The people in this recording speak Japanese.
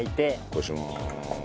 漉します。